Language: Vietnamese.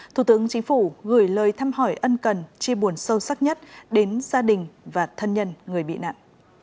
thủ tướng chính phủ gửi lời thăm hỏi ân cần chi buồn sâu sắc nhất đến gia đình và thân nhân người bị nạn